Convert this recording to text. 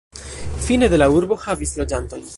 Fine de la urbo havis loĝantojn.